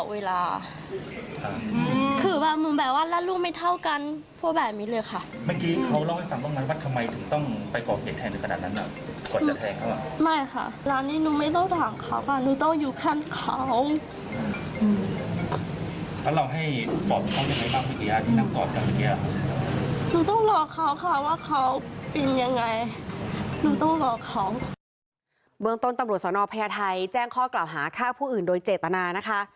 เมืองต้นตำรวจสนพญาไทยแจ้งข้อกล่าวหาฆ่าผู้อื่นโดยเจตนานะคะ